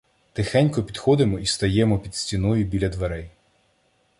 Тихенько підходимо і стаємо під стіною біля дверей.